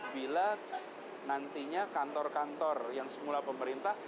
bila nantinya kantor kantor yang semula pemerintah